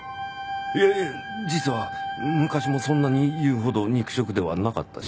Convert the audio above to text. いや実は昔もそんなに言うほど肉食ではなかったし